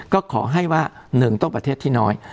ก็ขอให้ว่า๑ต้องประเทศที่น้อย